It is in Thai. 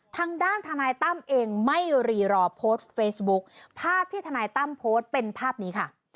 ทางด้านทนายตั้มเองไม่รีรอโพสต์เฟซบุ๊คภาพที่ทนายตั้มโพสต์เป็นภาพนี้ค่ะ